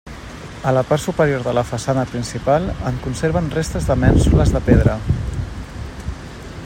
A la part superior de la façana principal en conserven restes de mènsules de pedra.